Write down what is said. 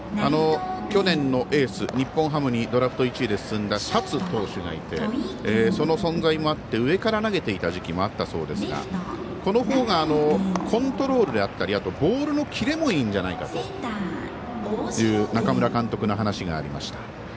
去年のエース、日本ハムにドラフト１で進んだ投手がいてその存在もあって上から投げていた時期もあったそうですがこのほうがコントロールであったりボールのキレもいいんじゃないかという中村監督の話がありました。